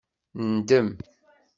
Ndem